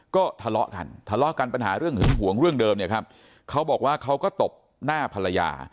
ก็ทะเลาะกันทะเลาะกันปัญหาเรื่องหึงหวงเรื่องเดิมเนี่ยครับเขาบอกว่าเขาก็ตบหน้าภรรยา